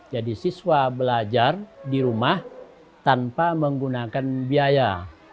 jadi siswa belajar di rumah tanpa menggunakan biaya